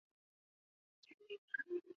尖叶厚壳桂为樟科厚壳桂属下的一个种。